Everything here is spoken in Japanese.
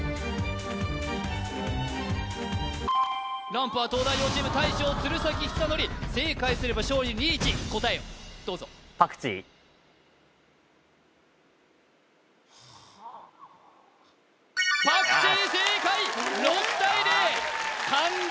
ランプは東大王チーム大将鶴崎修功正解すれば勝利リーチ答えをどうぞパクチー正解６対０